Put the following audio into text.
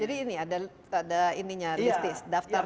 jadi ini ada daftar daftar